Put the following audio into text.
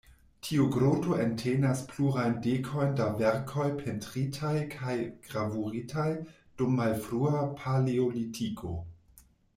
Tiu groto entenas plurajn dekojn da verkoj pentritaj kaj gravuritaj dum malfrua Paleolitiko.